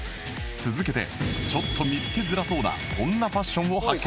続けてちょっと見つけづらそうなこんなファッションを発見